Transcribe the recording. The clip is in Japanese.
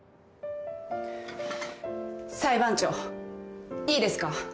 裁判長いいですか？